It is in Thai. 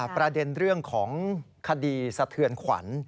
ประเด็นเรื่องของคดีสะเทือนขวัญ